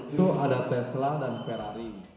itu ada tesla dan ferrari